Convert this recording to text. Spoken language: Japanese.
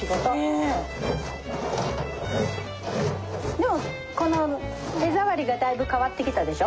でもこの手触りがだいぶ変わってきたでしょ？